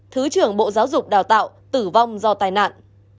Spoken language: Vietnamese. thứ trưởng bộ giáo dục đào tạo tử vong do tai nạn